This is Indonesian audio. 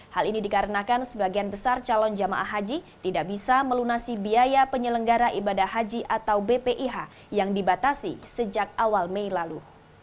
hal ini dikarenakan sebagian besar calon jemaah haji tidak bisa melunasi biaya penyelenggara ibadah haji atau bpih yang dibatasi sejak awal mei lalu